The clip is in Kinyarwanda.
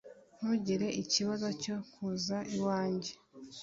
Ntugire ikibazo cyo kuza iwanjye